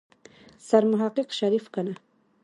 سرمحقق شريف کنه.